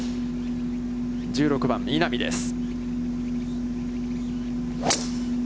１６番、稲見です。